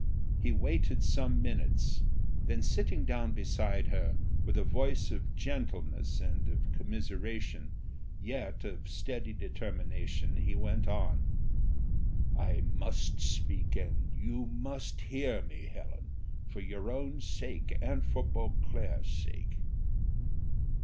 He waited some minutes, then sitting down beside her, with a voice of gentleness and of commiseration, yet of steady determination, he went on: "I must speak, and you must hear me, Helen, for your own sake, and for Beauclerc's sake."